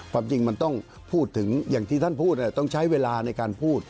ความจริงมันต้องพูดถึงอย่างที่ท่านพูดต้องใช้เวลาในการพูด